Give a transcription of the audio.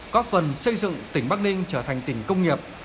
góp phần xây dựng tỉnh bắc ninh trở thành tỉnh công nghiệp